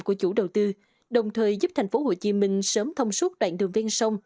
của chủ đầu tư đồng thời giúp thành phố hồ chí minh sớm thông suốt đoạn đường ven sông